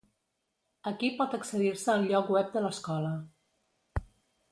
Aquí pot accedir-se al lloc web de l'escola.